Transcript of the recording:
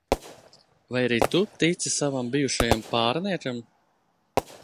Vai arī tu tici savam bijušajam pāriniekam?